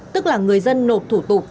tức là người dân nộp thủ tục